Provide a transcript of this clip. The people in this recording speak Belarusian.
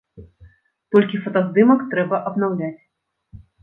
Толькі фотаздымак трэба абнаўляць.